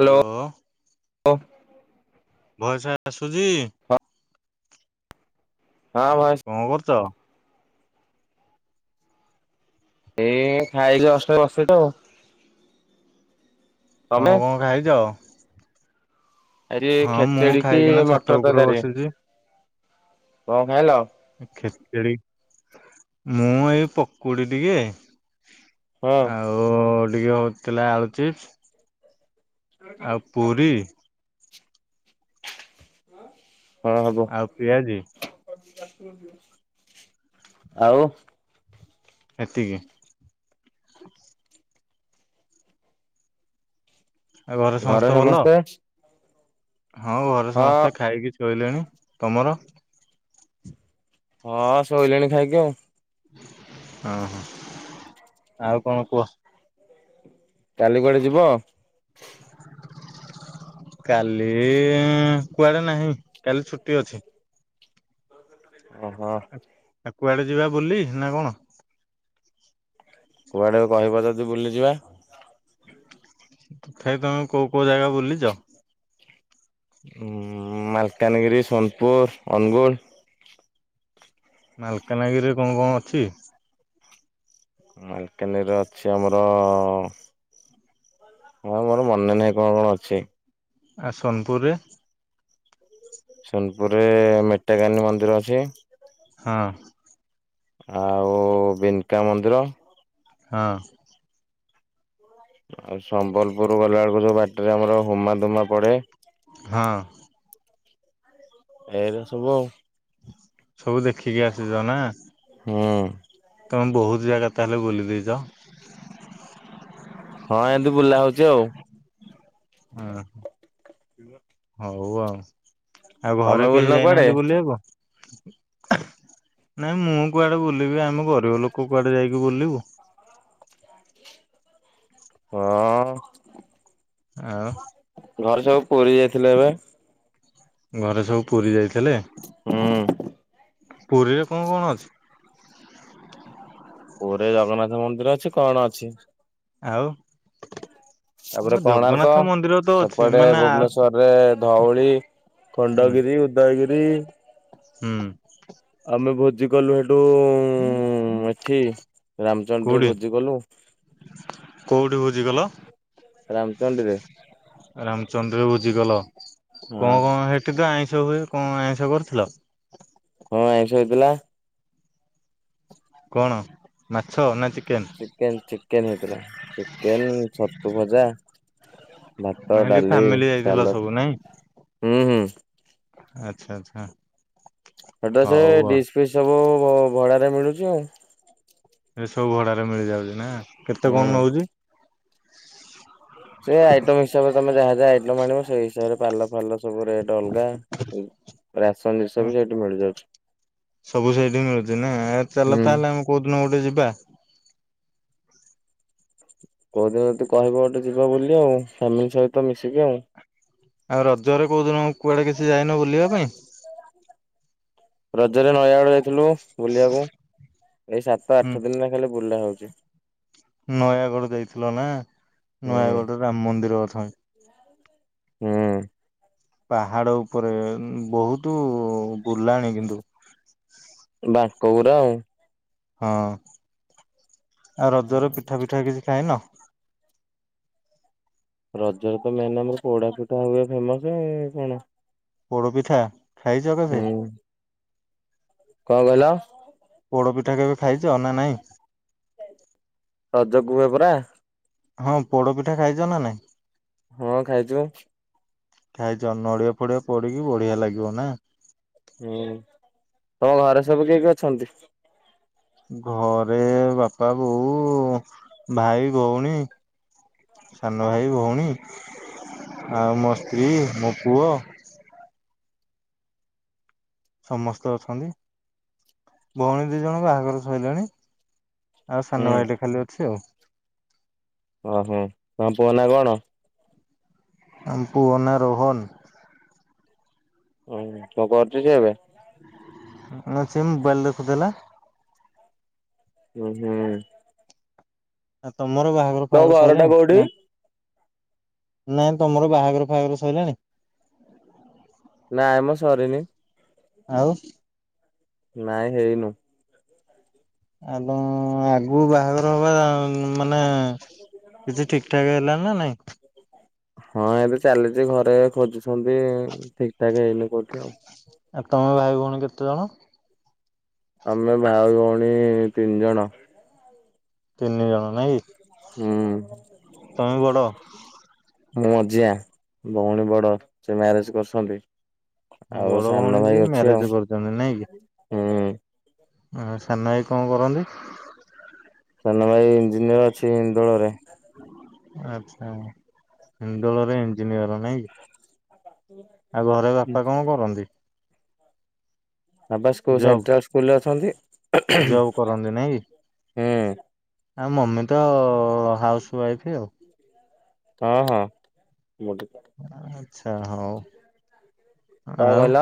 Hello. Voice ଆସୁଛି? ହଁ voice କଣ କରୁଚ? ଏଇ ଖାଇକି ଜଷ୍ଟ [unintelligible] କଣ ତମେ? କଣ ଖାଇଛ? ଆଜି ହଁ ମୁଁ ଖେଚେଡି କି ଖାଇକିନା ଛାତ ମଟର ଉପରେ ତରକାରୀ। ବସିଛି କଣ ଖାଇଲ? ଖେଚେଡି ମୁଁ ଏଇ ପକୁଡି ଟିକେ ହଁ ଆଉ ଟିକେ ହଉଥିଲା ଆଳୁଚିପ୍ସ ଆଉ ପୁରୀ ହଁ ହବ ଆଉ ପିଆଜି [unintelligible] ଆଉ? ଏତିିକି। ଘରେ ସମସ୍ତେ? ହଁ ଘରେ ହଁ ସମସ୍ତେ ଖାଇକି ଶୋଇଲେଣି। ତମର? ହଁ ଶୋଇଲେଣି ଖାଇକି ଆଉ। ଓହୋ ଆଉ କଣ କୁହ? କାଲି କୁଆଡେ ଯିବ? କାଲି କୁଆଡେ ନାହିଁ। କାଲି ଛୁଟି ଅଛି। ଓହୋ। ଆ କୁଆଡେ ଯିବା ବୁଲି ନା କଣ? କୁଆଡ଼େକୁ କହିବ ଯଦି ବୁଲିଯିବା। ତଥାପି ତୁମେ କେଉ କେଉ ଜାଗା ବୁଲିଚ? ଉଁ -ଉଁ ମାଲକାନଗିରି, ସୋନପୁର, ଅନୁଗୁଳ ମାଲକାନଗିରିରେ କଣ କଣ ଅଛି? ମାଲକାନାଗିରୀରେ ଅଛି ଆମର [unintelligible] ମୋର ମନେ ନାହିଁ କଣ କଣ ଅଛି। ଆ ସୋନପୁରରେ? ସୋନପୁରରେ ମେଟାକାନୀ ମନ୍ଦିର ଅଛି। ହଁ। ଆଉ ବିନକା ମନ୍ଦିର ହଁ। ଆଉ ସମ୍ବଲପୁର ଗଲା ବେଳକୁ ଯୋଉ ବାଟରେ ଆମର ହୁମା ଧୁମା ପଡେ। ହଁ। ଏଗୁରା ସବୁ ଆଉ। ସବୁ ଦେଖିକି ଆସିଛ ନା? ହୁଁ। ତୁମେ ବହୁତ ଜାଗା ତାହେଲେ ବୁଲି ଦେଇଚ? ହଁ ଏମିତି ବୁଲା ହଉଛି ଆଉ। [unintelligible] [unintelligible] ହଉ ଆଉ। ଆଉ ତମେ ଘରେ ବୁଲିନ କେହି କୁଆଡେ? ଯାଇନାହାନ୍ତି ବୁଲି ଆକୁ? ନାଇଁ ମୁଁ କୁଆଡେ ବୁଲିବି ଆମ ଗରିବ ଲୋକ କୁଆଡେ ଯାଇକି ବୁଲିବୁ। କଁ ଆଉ ଘରେ ସବୁ ପୁୁରୀ ଯାଇଥିଲେ ଏବେ। ଘରେ ସବୁ ପୁରୀ ଯାଇଥେଲେ ହୁଁ ପୁରୀରେ କଣ କଣ ଅଛି? ପୁରୀରେ ଜଗନ୍ନାଥ ମନ୍ଦିର ଅଛି, କଣ ଅଛି? ଆଉ ତମ ତାପରେ ଜଗନ୍ନାଥ କୋଣାର୍କ, ମନ୍ଦିର ତ ଅଛି ସେପଟେ ମାନେ ଆ ଭୁବନେଶ୍ଵରରେ ଧଉଳି ହୁଁ ଖଣ୍ଡଗିରି, ଉଦୟଗିରି ହୁଁ। ଆମେ ଭୋଜି କଲୁ ସେଠୁ, ଉମ୍ ଏଠି ରାମଚଣ୍ଡିରେ କୋଉଠି ଭୋଜି କଲୁ କୋଉଠି ଭୋଜି କଲ? ରାମଚଣ୍ଡୀରେ। ରାମଚଣ୍ଡୀରେ ଭୋଜି କଲ? ହଁ କଅଁ କଅଁ ହେ ସେଠି ତ ଆଇଁଷ ହୁଏ, କଅଁ ଆଇଁଷ କରିଥିଲ? ହଁ, ଆଇଁଷ ହେଇଥିଲା କଣ? ମାଛ ନା ଚି ଚିକେନ୍ ଚିକେନ ହେଇଥିଲା। ଚିକେନ, ଛତୁ ଭଜା ଭାତ, ହେଲେ ଡାଲି, ଫ୍ୟାମିଲି ଯାଇଥିଲ ସାଲଟ୍, ସବୁ ନାଇଁ ହୁଁ ହୁଁ। ଆଚ୍ଛା, ଆଚ୍ଛା। ସେଟା ସେ ହଉ ଆଉ। ଡିସ୍ ପିସ୍ ସବୁ ଭ-ଭଡାରେ ମିଳୁଛି ଆଉ। ଏସବୁ ଭଡ଼ାରେ ମିଳିଯାଉଛି ନା? କେତେ କଣ ହୁଁ ନଉଚି? ସେଇ ଆଇଟମ୍ ହିସାବରେ ତମେ ଯାହା ଯାହା ଆଇଟମ ଆଣିବ, ସେଇ ହିସାବରେ ପାଲ ଫାଲ ସବୁ ରେଟ ଅଲଗା, ରାସନ ଜିନିଷ ହଁ ବି ସେଇଠି ମିଳି ଯାଉଛି। ସବୁ ସେଇଠି ମିଳୁଛି ନା? ଆ ଚାଲ ହୁଁ ତାହେଲେ ଆମେ କୋଉଦିନ ଗୋଟେ ଯିବା? କୋଉଦିନ ଯଦି କହିବ ଗୋଟେ ଯିବ ବୋଲି ଆଉ, ଫ୍ୟାମିଲି ସହିତ ମିଶିକି ଆଉ। ଆଉ ରଜରେ କୋଉଦିନ କୁଆଡେ କିଛି ଯାଇନ ବୁଲିବା ପାଇଁ? ରଜରେ ନୟାଗଡ଼ ଯାଇଥିଲୁ ବୁଲିଆକୁ। ଏଇ ସାତ ହୁଁ ଆଠ ଦିନ ହେଲା ଖାଲି ବୁଲା ହଉଛି। ନୟାଗଡ ଯାଇଥିଲ ନା? ହୁଁ ନୟାଗଡରେ ରାମ ମନ୍ଦିର ଅଥ ହୁଁ। ପାହାଡ ଉପରେ, ବହୁତୁ ବୁଲାଣି କିନ୍ତୁ। ବାଙ୍କ ଗୁରା ଆଉଁ। ହଁ। ଆଉ ରଜର ପିଠା ପିଠା କିଛି ଖାଇନ? ରଜରେ ତ ମେନ୍ ଆମର ପୋଡା ପିଠା ହୁଏ ଫେମସ, ଆଉ କଣ? ପୋଡ ପିଠା, ଖାଇଚ କେବେ? ହୁଁ କଣ କଇଲ? ପୋଡ଼ ପିଠା କେବେ ଖାଇଛ, ନା ନାହିଁ? ରଜକୁ ହୁଏ ପରା। ହଁ ପୋଡ ପିଠା ଖାଇଛ ନା ନାଇଁ? ହଁ, ଖାଇଚି ବା। ଖାଇଛ। ନଡ଼ିଆ ଫଡିଆ ପଡିକି ବଢିଆ ଲାଗିବ ନା? ହୁଁ। ତମ ଘରେ ସବୁ କିଏ କିଏ ଅଛନ୍ତି? ଘରେ ବାପା, ବୋଉ, ଭାଇ, ଭଉଣୀ ସାନଭାଇ, ଭଉଣୀ, ଆଉ ମୋ ସ୍ତ୍ରୀ, ମୋ ପୁଅ ସମସ୍ତେ ଅଛନ୍ତି, ଭଉଣୀ ଦି ଜଣଙ୍କ ବାହାଘର ସଇଲାଣି ଆଉ ସାନ ହୁଁ ଭାଇଟେ ଖାଲି ଅଛି ଆଉ। ଓହୋ ତମ ପୁଅ ନା କଣ? ଆମ ପୁଅ ନା ରୋହନ୍। ଓ କଣ କରଛି ସିଏ ଏବେ? ହଁ ସେ ମୋବାଇଲ୍ ଦେଖୁଥିଲା। ଉ, ହୁଁ। ଆଉ ତମର ବାହାଘର ତମ ଫାହାଘର ଘର ଟା ସଇଲାଣି କୋଉଠି? ନା ନାଇଁ ତମର ବାହାଘର ଫହାଘର ସଇଲାଣି? ନାଇଁ ମ ସରିନି। ଆଉ। ନାଇଁ ହେଇନୁ। ଆ ଆଗୁ ବାହାଘର ହବା ମାନେ କିଛି ଠିକ୍ ଠାକ୍ ହେଲା ନା ନାଇଁ? ହଁ ଏବେ ଚାଲିଛି ଘରେ ଖୋଜୁଛନ୍ତି ଠିକ୍ ଠାକ୍ ହେଇନି କୋଉଠି ଆଉ। ଆଉ ତମେ ଭାଇ ଭଉଣୀ କେତେ ଜଣ? ଆମେ ଭାଇ ଭଉଣୀ ତିନି ଜଣ। ତିନି ଜଣ ନାଇଁ କି? ହୁଁ। ମୁଁ ମଝିଆ ଭଉଣୀ ବଡ ସେ ମ୍ୟାରେଜ କରୁଛନ୍ତି। ଆଉ ବଡ ଭଉଣୀ ସାନ ଭାଇ ଯିଏ ଅଛି ମ୍ୟାରେଜ ଆଉ କରିଛନ୍ତି ହୁଁ। ଆଉ ସାନ ଭାଇ କଣ କରନ୍ତି? ସାନ ଭାଇ ଇଞ୍ଜିନିୟର ଅଛି ହେନ୍ଦୋଳରେ। ଆଚ୍ଛା ହିନ୍ଦୋଳରେ ଇଞ୍ଜିନିୟର ନାଇଁ କି। [inaudible] ଆଉ ଘରେ ବାପା କଣ କରନ୍ତି? ବାପା ସ୍କୁଲ୍ ଜବ୍ ସେଣ୍ଟ୍ରାଲଲ୍ ସ୍କୁଲ ରେ ଅଛନ୍ତି। ଜବ୍ କରନ୍ତି ନାଇଁ କି? ହୁଁ। ଆଉ ମମି ତ ହାଉସ୍ ୱାଇଫ୍ ଆଉ। ହଁ, ହଁ ଗୋଟେ ଚା। ଆଚ୍ଛା ହଉ, କଣ ଆଉ। କହିଲ?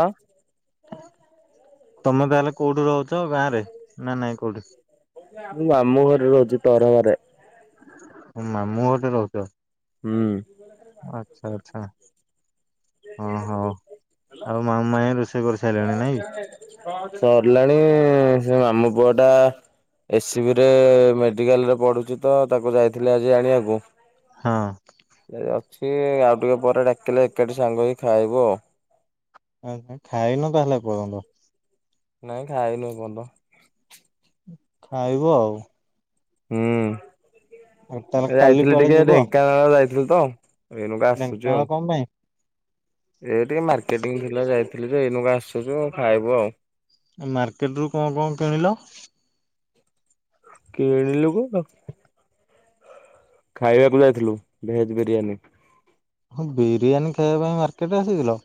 ତମେ ତାହେଲେ କୋଉଠି ରହୁଛ ଗାଁ ରେ ନା ନାଇଁ କୋଉଠି? ମୁଁ ମାମୁ ଘରେ ରହୁଛି ତରବାରେ। ମାମଁ ଘରେ ରହୁଛ? ହୁଁ। ଆଚ୍ଛା ଆଚ୍ଛା। ଓଁ ହୋ ଆଉ ମାମୁଁ, ମାଇଁ ରୋଷେଇ କରିସାରିଲେଣି ନାଇଁ? ସରିଲାଣି ସେ ମାମୁ ପୁଅ ଟା ଏସ୍ ସିବି ରେ ମେଡିକାଲ ରେ ପଢୁଛି ତ ତାକୁ ଯାଇଥିଲି ଆଜି ଆଣିବାକୁ। ହଁ। ଅଛି ଆଉ ଟିକେ ପରେ ଡାକିଲେ ଏକାଠି ସାଙ୍ଗ ହେଇ ଖାଇବୁ ଆଉ। ଆଉ ତମେ ଖାଇନ ତାହେଲେ ଏ ପର୍ଯ୍ୟନ୍ତ। ନାଇଁ ଖାଇନୁ ଏ ପନ୍ତ। ଖାଇବୁ ଆଉ। ହୁଁ। ଆଉ ତାହେଲେ କାଲି ଯାଇଥିଲି କୁଆଡେ ଟିକେ ଯିବ ଢେଙ୍କାନାଳ ଯାଇଥିଲୁ ତ ଏଇନୁକା ଆସୁଛି ଢେଙ୍କାନାଳ ଆଉ। କଣ ପାଇଁ? ଏ ଟିକେ ମାର୍କେଟିଂ ଥିଲା ଯାଇଥିଲି ଯେ ଏଇନୁକୁ ଆସୁଛୁ ଖାଇବୁ ଆଉ। ମାର୍କେଟରୁ କଣ କଣ କିଣିଲ? କି ଲୁଗୁ କ ଖାଇବାକୁ ଯାଇଥିଲୁ ଭେଜ ବିରିୟାନୀ। ହଁ ବିରିୟାନୀ ଖାଇବା ପାଇଁ ମାର୍କେଟ ଆସିଥିଲ?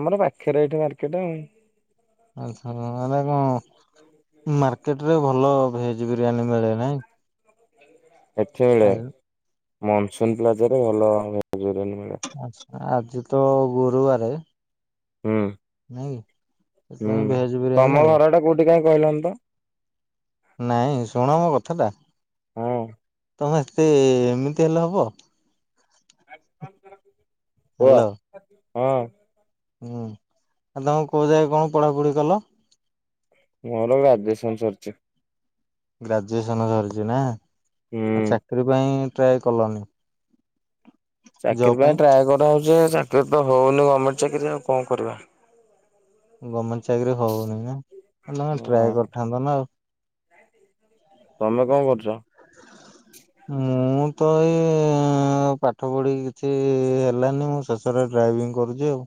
ଆମର ପାଖରେ ଏଇଠି ମାର୍କେଟେ। ଆଛା ମାନେ କଣ ମାର୍କେଟରେ ଭଲ ଭେଜ ବିରିୟାନୀ ମିଳେ ନାହିଁ? ଏଠି ମିଳେ ମନସୁନ ପ୍ଲାଜା ରେ ଭଲ ଭେଜ ବିରିୟାନୀ ମିଳେ। ଆଛା ଆଜି ତ ଗୁରୁବାରେ। ହୁଁ ନାଇଁ କି ହୁଁ ସେଥିପାଇଁ ଭେଜ ବିରିୟାନୀ ତମ ଆଉ। ଘର ଟା କୋଉଠି କାଇଁ କହିଲନି ତ? ନାଇଁ ଶୁଣ ମୋ କଥାଟା ହଁ ତମେ ଏତେ ଏମିତି ହେଲେ ହବ। କୁହ ହାଲୋ ହଁ। ହୁଁ ଆ ତମ କୋଉ ଯାଏ କଣ ପଢାପଢି କଲ? ମୋର ଗ୍ରାଜୁଏସନ୍ ସରିଛି। ଗ୍ରାଜୁଏସନ ସରିଛି ନା ଆ ହୁଁ। ଚାକିରି ପାଇଁ ଟ୍ରାଏ କଲନି। ଚାକିରି ପାଇଁ ଟ୍ରାଏ କରାହଉଛି ଯେ ଚାକିରି ତ ହଉନି ଗଭର୍ମେଣ୍ଟ ଚାକିରି ଆଉ କଣ କରିବା। ଗଭର୍ଣମେଣ୍ଟ ଚାକିରି ହଉନି ନା ଏଁ ତମେ ଟ୍ରାଏ ହଁ କରିଥାନ୍ତ ନା ଆଉ। ତମେ କଣ କରୁଛ? ମୁଁ ତ ଇଏ ମୁଁ ପାଠ ପଢି କିଛି ହେଲାନି ମୁଁ ଶେଷରେ ଡ୍ରାଇଭିଂ କରୁଛି ଆଉ।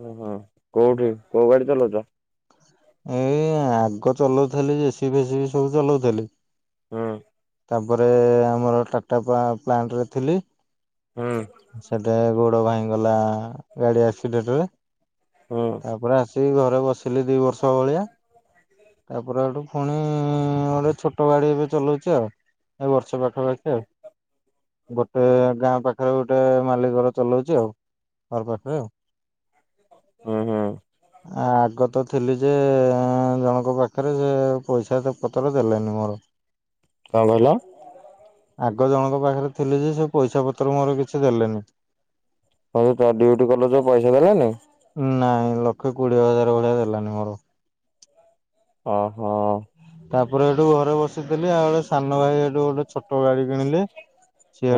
ଓ ହୋ କୋଉଠି କୋଉ ଗାଡି ଚଲୋଉଛ? ଏଇ ଆଗ ଚଲୋଉଥିଲି ଯେସିିବି ଫେସି ବି ସବୁ ଚଲୋଉଥିଲି। ହୁଁ। ତାପରେ ଆମର ଟାଟା ପ୍ଲା ପ୍ଲାଣ୍ଟରେ ଥିଲି। ହୁଁ। ସେଇଟା ଗୋଡ ଭାଙ୍ଗି ଗଲା ଗାଡି ଆକ୍ସିଡେଣ୍ଟରେ। ହୁଁ। ତାପରେ ଆସିକି ଘରେ ବସ। ଥିଲି ଦି ବର୍ଷ ଭଳିଆ ତାପରେ ଆଠୁ ପୁଣି ଗୋଟେ ଛୋଟ। ଛୋଟ ଗାଡି ଏବେ ଚଲୋଉଛି ଆଉ ଏ ବର୍ଷ ପାଖ ପାାଖି ଆଉ। ଗୋଟେ ଗାଁ ପାଖରେ ଗୋଟେ ମାଲିକ ଘର ଚଲୋଉଛି ଆଉ ଘର ପାଖରେ ଆଉ। ହୁଁ ହୁଁ। ଆଗ ତ ଥିଲି ଯେ ଜଣଙ୍କ ପାଖରେ ସେ ପଇସା ପତ୍ର ଦେଲାନି ମୋର। କଣ କହିଲ? ଆଗ ଜଣଙ୍କ ପାଖରେ ଥିଲି ଯେ ସେ ପଇସା ପତ୍ର ମୋର କିଛି ଦେଲେନି। ହଉ ତାର ଡ୍ୟୁଟି କଲ ଯୋଉ ପଇସା ଦେଲାନି? ନାଇଁ ଲକ୍ଷେ କୋଡିଏ ହଜାର ଭଳିଆ ଦେଲାନି ମୋର। ଅ ହ ତାପରେ ଏଠୁ ଘରେ ବସିଥିଲି ଆଉ ଏ ସାନ ଭାଇ ଏଠୁ ଗୋଟେ ଛୋଟ ଗାଡି କିଣିଲି।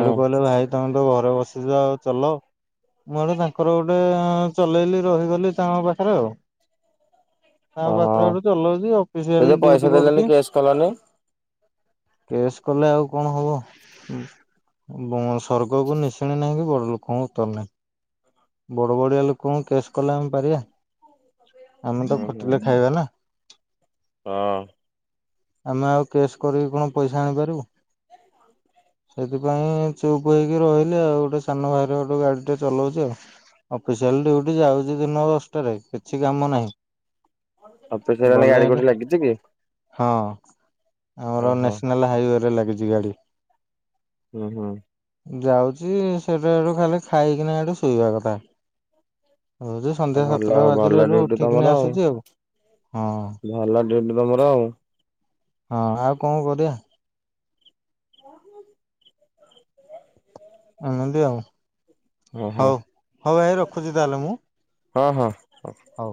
ହୁଁ କହିଲେ ଭାଇ ତମେ ତ ଘରେ ବସିଛ ଆଉ ଚଲ। ମୁଁ ଆଡେ ତାଙ୍କର ଗୋଟେ ଚଲେଇଲି ରହିଗଲି ତାଙ୍କ ପାଖରେ ଆଉ। ତାଙ୍କ ଓହୋ ପାଖରେ ଏବେ ଚଲୋଉଛି ଅଫିସ ସେ ଯୋଉ ଗଲେ ଡ୍ୟୁଟି ପଇସା କରୁଛି। ଦେଲାନି କେସ୍ କଲନି? କେସ୍ କଲେ ଆଉ କଣ ହବ? ହୁ ବଁ ସ୍ବର୍ଗକୁ ନିଶୁଣି ନାହିଁ କି ବଡ ଲୋକଙ୍କୁ ଉତ୍ତର ନାହିଁ। ବଡ ବଡିଆ ଲୋକଙ୍କୁ କେସ୍ କଲେ ଆମେ ପାରିବା ଆମେ ତ ହୁଁ ହୁଁ ଖଟିଲେ ଖାଇବା ନା। ହଁ। ଆମେ ଆଉ କେସ୍ କରିକି କଣ ପଇସା ଆଣିପାରିବୁ? ସେଥିପାଇଁ ଚୁପ୍ ହୋଇକି ରହିଲେ ଆଉ ଗୋଟେ ସାନ ଭାଇର ଗୋଟେ ଗାଡ଼ିଟା ଚଲାଉଛି ଆଉ। ଅଫିସିଆଲ ଡ୍ୟୁଟି ଯାଉଛି, ଦିନ ଦଶଟାରେ କିଛି କାମ ନାହିଁ। ଅଫିସିଆଲୀ ଗଲେ ଗାଡି ହେଲେ କୋଉଠି ଲାଗିଛି କି? ହଁ, ଆମର ଓହୋ ନ୍ୟାସନାଲ ହାଇୱେ ରେ ଲାଗିଛି ଗାଡି। ହୁଁ ହୁଁ। ଯାଉଛି, ସେଟା ଏଠୁ ଖାଲି ଖାଇକିନା, ଏଠୁ ଶୋଇବା କଥା। [inaudible] ସନ୍ଧ୍ୟା ଭଲ ସାତଟା ଭଲ ବାଜିଲୋରୁ ଡ୍ୟୁଟି ତମର ଉଠିକିନି ଆସୁଛି ଆଉ, ହଁ। ଭଲ ଡ୍ୟୁଟି ତମର ଆଉ। ହଁ, ଆଉ କଣ କରିବା? [inaudible] ହଁ, ଏମନ୍ତି ଆଉ। ଓହୋ ହଉ ହଉ ଭାଇ, ରଖୁଛି ତାହେଲେ ମୁଁ। ହଁ ହଁ। ହଉ।